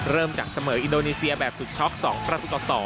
เริ่มจากเสมออินโดนีเซียแบบสุดช็อก๒ประตูต่อ๒